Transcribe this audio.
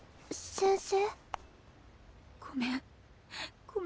先生。